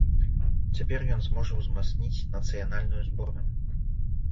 Цяпер ён зможа ўзмацніць нацыянальную зборную.